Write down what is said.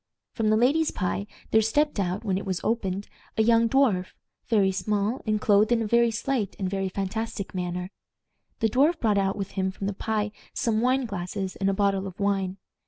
From the ladies' pie there stepped out, when it was opened, a young dwarf, very small, and clothed in a very slight and very fantastic manner. The dwarf brought out with him from the pie some wine glasses and a bottle of wine.